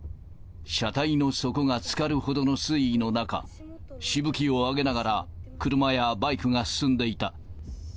車体の底がつかるほどの水位の中、しぶきを上げながら、車やバイクが進んでいた。